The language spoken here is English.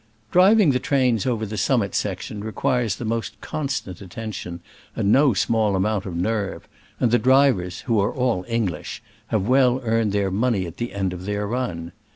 Driving the trains over the summit section requires the most constant at tention and no small amount of nerve, and the drivers, who are all English, have ^ell earned their money at the end of their run.